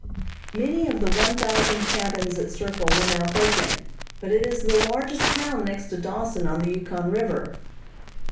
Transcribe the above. Many of the one thousand cabins at Circle were now vacant, but it is the largest town next to Dawson on the Yukon River.